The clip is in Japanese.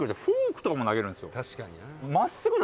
確かにな。